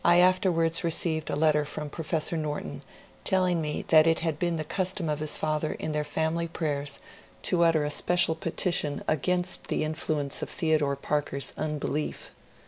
I afterwards received a letter from Professor Norton telling me that it had been the cus tom of his father in their family prayers to utter a special petition against the influence of Theodore Parker's unbelief.